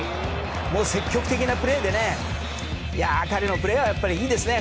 積極的なプレーで彼のプレーはいいですね。